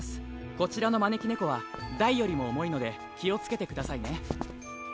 こちらのまねきねこは大よりもおもいのできをつけてくださいね。